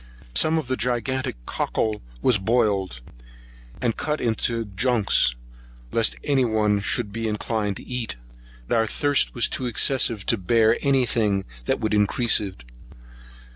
Some of the gigantic cockle was boiled, and cut into junks, lest any one should be inclined to eat. But our thirst was too excessive to bear any thing which would increase it.